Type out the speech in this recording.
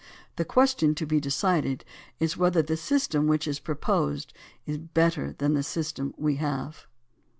The question to be de cided is whether the system which is proposed is better than the system we have.